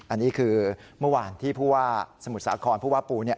อันนี้คือเมื่อวานที่ผู้ว่าสมุทรสาครผู้ว่าปูเนี่ย